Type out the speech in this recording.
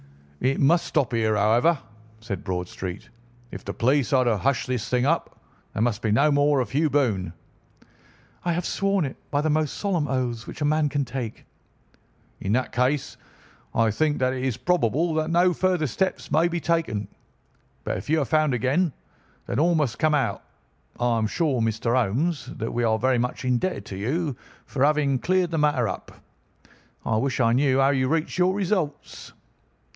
"It must stop here, however," said Bradstreet. "If the police are to hush this thing up, there must be no more of Hugh Boone." "I have sworn it by the most solemn oaths which a man can take." "In that case I think that it is probable that no further steps may be taken. But if you are found again, then all must come out. I am sure, Mr. Holmes, that we are very much indebted to you for having cleared the matter up. I wish I knew how you reach your results."